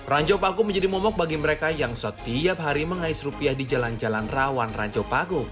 ranjau paku menjadi momok bagi mereka yang setiap hari mengais rupiah di jalan jalan rawan ranjau pakgo